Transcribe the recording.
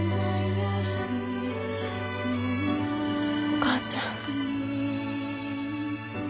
お母ちゃん。